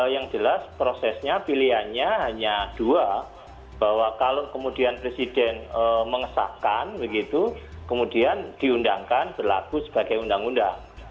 yang jelas prosesnya pilihannya hanya dua bahwa kalau kemudian presiden mengesahkan begitu kemudian diundangkan berlaku sebagai undang undang